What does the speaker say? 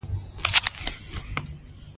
افغانستان کې مېوې د خلکو د خوښې وړ ځای دی.